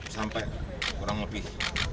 sampai kurang lebih